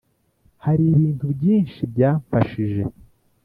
Hari ibintu byinshi byamfashije